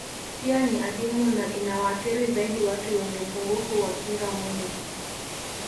Pia ni adimu na inawaathiri zaidi watu wenye upungufu wa kinga mwili